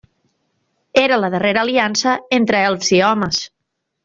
Era la Darrera Aliança entre Elfs i Homes.